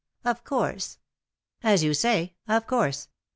" Of course." "As you say, of course.